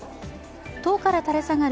塔から垂れ下がる